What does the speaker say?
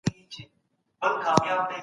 ولي دې دورې ته د تاريکۍ نوم ورکول کيږي؟